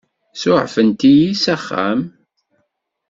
Suɛfent-iyi s axxam.